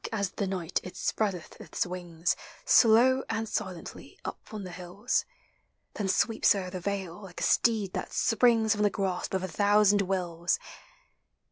Dark as the night it spreadeth its wings, Slow and silently, up on the hills; THE SEASONS. 125 Then sweeps o'er the vale, like a steed that springs From the grasp of a thousand wills.